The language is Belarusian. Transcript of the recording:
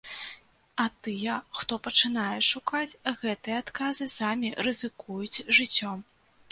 А тыя, хто пачынае шукаць гэтыя адказы, самі рызыкуюць жыццём.